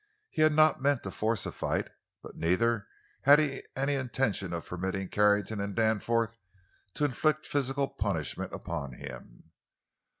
He had not meant to force a fight, but neither had he any intention of permitting Carrington and Danforth to inflict physical punishment upon him.